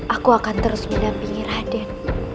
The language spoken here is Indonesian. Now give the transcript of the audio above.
aku akan terus mendampingi raden